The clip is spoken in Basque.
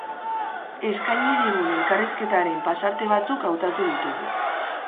Eskaini digun elkarrizketaren pasarte batzuk hautatu ditugu.